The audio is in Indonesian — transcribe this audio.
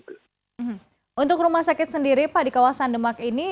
untuk rumah sakit sendiri pak di kawasan demak ini